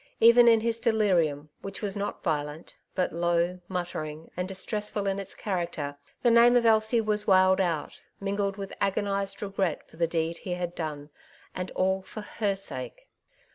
Even in his delirium, which was not violent, but low, muttering, and distressful in its character, the name of Elsie was wailed out, mingled with agonized regret for the deed he had done, and all for her sake.